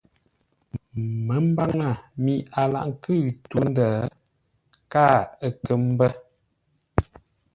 Məmbaŋə mi a laghʼ nkʉ̂ʉ tû-ndə̂ káa ə̂ kə́ mbə̂.